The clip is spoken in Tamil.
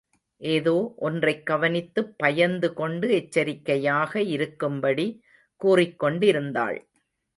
ஏதோ ஒன்றைக் கவனித்துப் பயந்து கொண்டு எச்சரிக்கையாக இருக்கும்படி கூறிக் கொண்டிருந்தாள்.